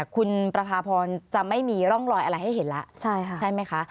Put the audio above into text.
คุณประพาพรจะไม่มีร่องรอยอะไรให้เห็นแล้วใช่ไหมคะ